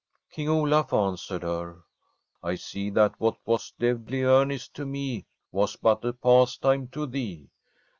King Olaf answered her :' I see that what was deadly earnest to me was but a pastime to thee.